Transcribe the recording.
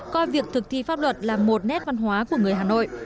coi việc thực thi pháp luật là một nét văn hóa của người hà nội